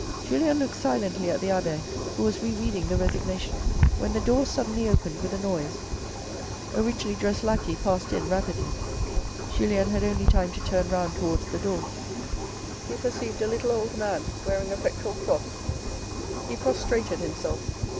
Julien looked silently at the abbe who was re reading the resignation when the door suddenly opened with a noise. A richly dressed lackey passed in rapidly. Julien had only time to turn round towards the door. He perceived a little old man wearing a pectoral cross. He prostrated him self.